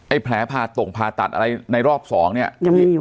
ไอ้แผลผ่าตกผ่าตัดอะไรในรอบสองเนี้ยยังไม่มีอยู่